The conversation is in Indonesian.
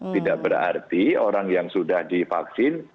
tidak berarti orang yang sudah divaksin